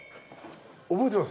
覚えてます？